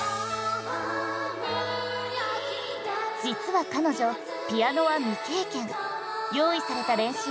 実は彼女ピアノは未経験。